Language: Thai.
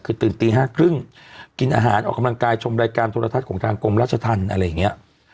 คือตื่นตี๕๓๐กินอาหารออกกำลังกายชมรายการโทรทัศน์ของทางกรมราชธรรมอะไรอย่างนี้